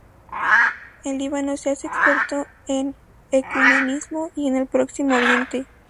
En Líbano se hace experto en ecumenismo y en el Próximo Oriente.